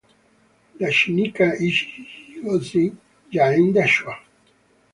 Dashinika ijhi ighosi jhaenda shwa.